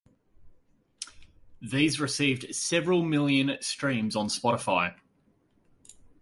These received several million streams on Spotify.